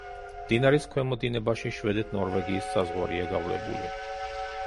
მდინარის ქვემო დინებაში შვედეთ-ნორვეგიის საზღვარია გავლებული.